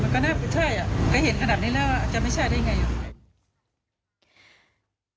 ก็น่าจะเชื่อแต่เห็นขนาดนี้แล้วอาจจะไม่เชื่อได้อย่างไร